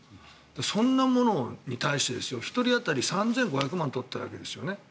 そんなものに対して１人当たり３５００万円取っているわけですよね。